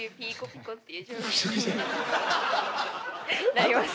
なります。